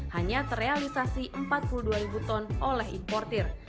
hanya terrealisasi empat puluh dua ton oleh importer